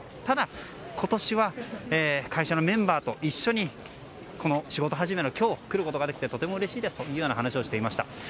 ただ、今年は会社のメンバーと一緒に仕事始めの今日来ることができてとてもうれしいですと話をしていました。